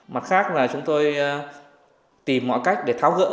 mặt khác là chúng tôi tìm mọi cách để tháo gỡ